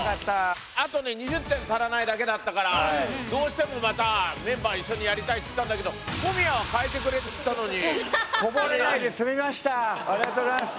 あとね２０点足らないだけだったからどうしてもまたメンバー一緒にやりたいっつったんだけどありがとうございます。